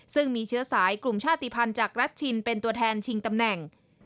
ซึ่งมีเชื้อสายกลุ่มชาติภัณฑ์จากรัชชินเป็นตัวแทนชิงตำแหน่ง